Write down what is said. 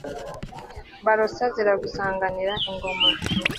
barosa ziragusanganira ingoma